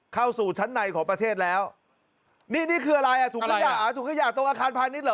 เข้าสู่ชั้นในของประเทศแล้วนี่นี่คืออะไรอ่ะถุงขยะอ่ะถุงขยะตรงอาคารพาณิชยเหรอ